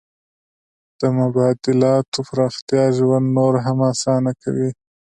د مبادلاتو پراختیا ژوند نور هم اسانه کړ.